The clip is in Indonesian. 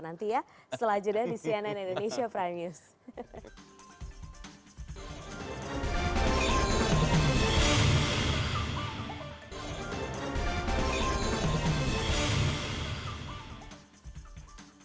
nanti ya setelah jeda di cnn indonesia prime news